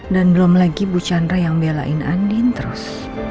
dan belum lagi bu chandra yang belain andin terus